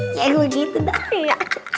ya gue gitu dah ya